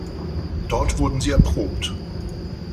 Dort wurden sie erprobt.